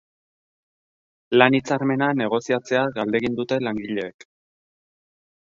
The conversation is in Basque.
Lan-hitzarmena negoziatzea galdegin dute langileek.